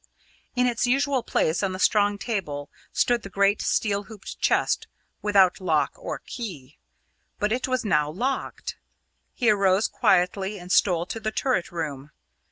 In its usual place on the strong table stood the great steel hooped chest without lock or key. But it was now locked. He arose quietly and stole to the turret room.